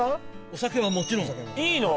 お酒はもちろんいいの？